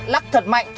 lắc thật mạnh